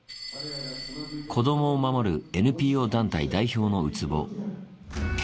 子どもを守るＮＰＯ団体代表の宇津帆。